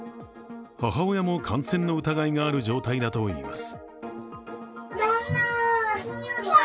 母親も感染の疑いがある状態だといいます。